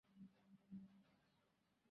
তিনি আওরঙ্গজেবের সময়কালে আগ্রায় এসেছিলেন।